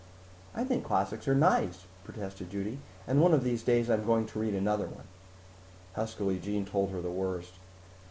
"I think classics are nice," protested Judy, "and one of these days I'm going to read another one." Huskily Jean told her the worst.